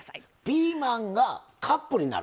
ピーマンがカップになる？